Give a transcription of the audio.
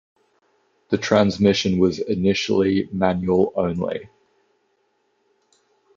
The transmission was initially manual only.